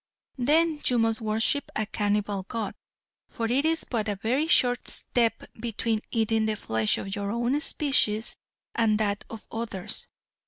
Then you must worship a cannibal god, for it is but a very short step between eating the flesh of your own species and that of others.